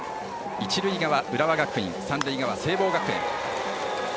一塁側、浦和学院三塁側、聖望学園。